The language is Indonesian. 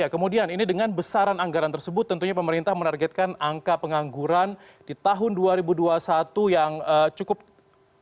kemudian ini dengan besaran anggaran tersebut tentunya pemerintah menargetkan angka pengangguran di tahun dua ribu dua puluh satu yang cukup tinggi